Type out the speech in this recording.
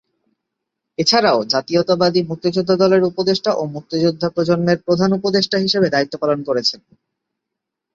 এছাড়াও জাতীয়তাবাদী মুক্তিযোদ্ধা দলের উপদেষ্টা ও মুক্তিযোদ্ধা প্রজন্মের প্রধান উপদেষ্টা হিসেবে দায়িত্ব পালন করছেন।